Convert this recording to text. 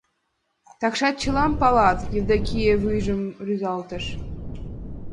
Такшат чылан палат, — Евдокия вуйжым рӱзалтыш.